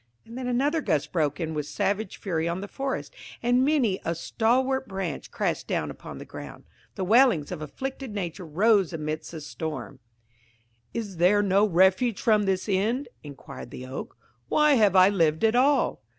And then another gust broke in with savage fury on the forest, and many a stalwart branch crashed down upon the ground. The wailings of afflicted nature rose amidst the storm. "Is there no refuge from this end?" inquired the Oak. "Why have I lived at all?"